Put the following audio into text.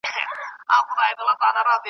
زه پسونه غواوي نه سمه زغملای .